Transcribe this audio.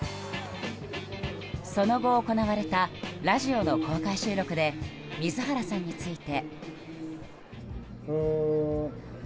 その後、行われたラジオの公開収録で水原さんについて。